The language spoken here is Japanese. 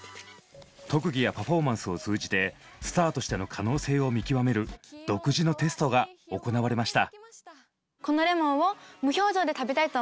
特技やパフォーマンスを通じてスターとしての可能性を見極める独自のテストが行われました。